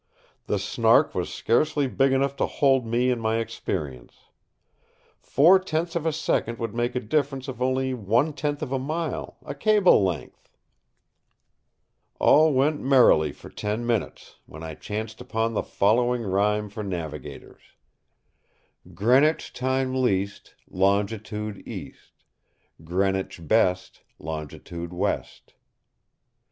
The Snark was scarcely big enough to hold me and my experience. Four tenths of a second would make a difference of only one tenth of a mile—a cable length! All went merrily for ten minutes, when I chanced upon the following rhyme for navigators: "Greenwich time least Longitude east; Greenwich best, Longitude west."